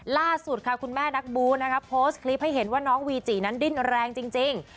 ล่าสุดค่ะคุณแม่นักบูนะคะโพสต์คลิปให้เห็นว่าน้องวีจินั้นดิ้นแรงจริง